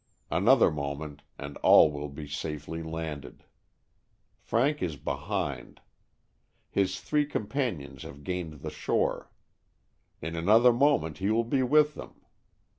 An other moment and all will be safely landed. Frank is behind. His three companions have gained the shore. In another moment he will be with them.